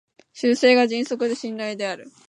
修正が迅速で信頼できる